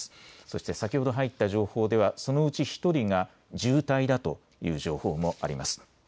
そして先ほど入った情報ではそのうち１人が重体だという情報もあります。